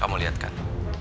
kamu lihat kan